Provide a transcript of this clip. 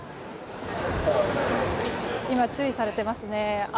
今、注意されていますね。